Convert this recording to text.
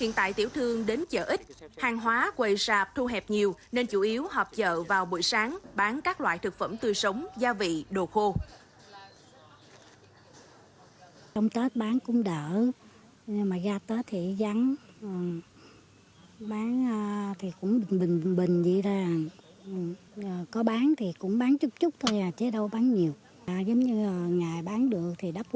hiện tại tiểu thương đến chợ ít hàng hóa quầy sạp thu hẹp nhiều nên chủ yếu họp chợ vào buổi sáng bán các loại thực phẩm tươi sống gia vị đồ khô